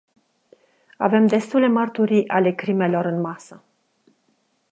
Avem destule mărturii ale crimelor în masă.